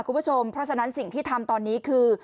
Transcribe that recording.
คุณผู้ชมเพราะฉะนั้นสิ่งที่ทำตอนนี้คือ